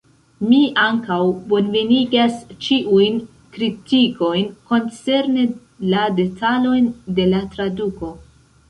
Mi ankaŭ bonvenigas ĉiujn kritikojn koncerne la detalojn de la traduko.